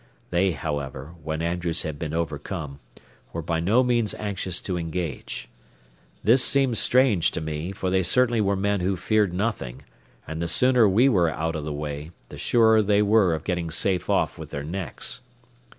They, however, when Andrews had been overcome, were by no means anxious to engage. This seemed strange to me, for they certainly were men who feared nothing, and the sooner we were out of the way, the surer they were of getting safe off with their necks.